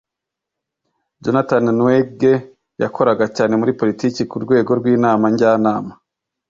jonathan nwege. yakoraga cyane muri politiki kurwego rwinama njyanama